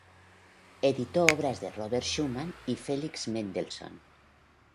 Editó obras de Robert Schumann y Felix Mendelssohn.